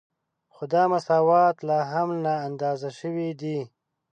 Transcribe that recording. خو دا مساوات لا هم نااندازه شوی دی